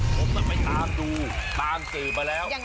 ผมจะไปตามดูบางสื่อไปแล้ว